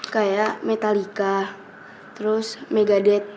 kayak metallica terus megadeth